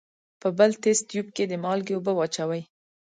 په بل تست تیوب کې د مالګې اوبه واچوئ.